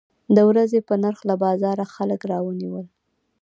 د ورځې په نرخ له بازاره خلک راونیول.